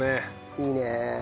いいねえ。